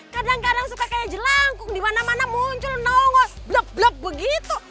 kadang kadang suka kayak jelangkung di mana mana muncul nongol blok blok begitu